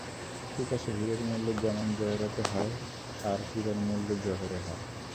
ঠিক আছে, হীরের মূল্য যেমন জহরতে হয়, আর হিরোর মূল্য জোহরে হয়।